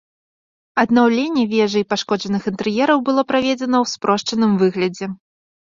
Аднаўленне вежы і пашкоджаных інтэр'ераў было праведзена ў спрошчаным выглядзе.